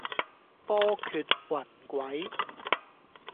波譎雲詭